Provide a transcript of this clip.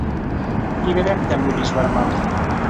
Бигерәк тәмле бишбармаҡ